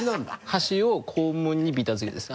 端を肛門にビタ付けです。